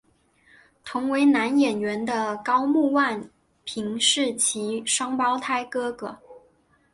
同为男演员的高木万平是其双胞胎哥哥。